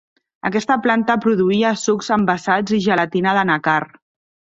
Aquesta planta produïa sucs envasats i gelatina d'anacard.